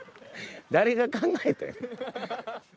誰が考えてん。